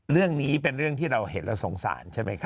เรื่องนี้เป็นเรื่องที่เราเห็นเราสงสารใช่ไหมครับ